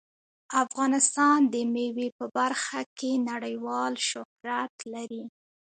افغانستان د مېوې په برخه کې نړیوال شهرت لري.